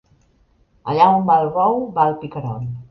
Allà on va el bou, va el picarol.